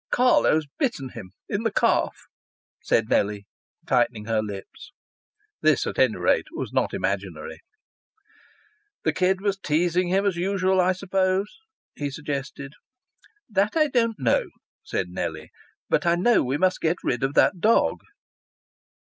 "Carlo's bitten him in the calf," said Nellie, tightening her lips. This, at any rate, was not imaginary. "The kid was teasing him as usual, I suppose?" he suggested. "That I don't know," said Nellie. "But I know we must get rid of that dog."